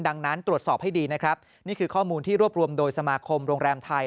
ดังนั้นตรวจสอบให้ดีนะครับนี่คือข้อมูลที่รวบรวมโดยสมาคมโรงแรมไทย